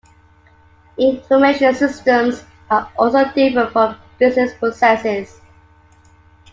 Information systems are also different from business processes.